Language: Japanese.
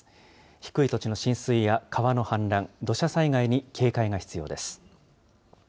低い土地の浸水や川の氾濫、土砂災害に警戒が必要です。